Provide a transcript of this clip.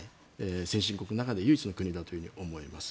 先進国の中で唯一の国だと思います。